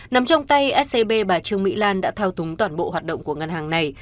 nằm trong tay scb bà trương mỹ lan đã thao túng toàn bộ hoạt động của ngân hàng này